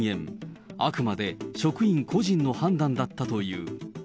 あくまで職員個人の判断だったという。